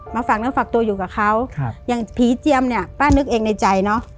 มาฝักนักฝับตัวอยู่กับเขาครับยังภีร์เจียมเนี้ยป้านึกเองในใจเนอะ